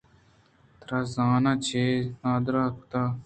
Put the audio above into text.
ترا زاناں چے ءَ نادْراہ کُتگ؟